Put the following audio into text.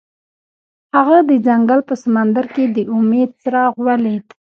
هغه د ځنګل په سمندر کې د امید څراغ ولید.